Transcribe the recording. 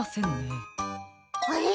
あれ？